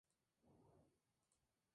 Esto es muy triste."".